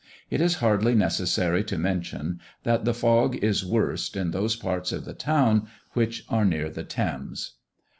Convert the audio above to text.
It is hardly necessary to mention, that the fog is worst in those parts of the town which are near the Thames.